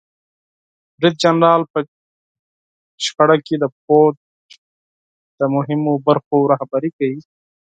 برید جنرال په جګړه کې د پوځ د مهمو برخو رهبري کوي.